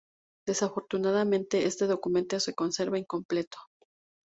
Desafortunadamente, este documento se conserva incompleto.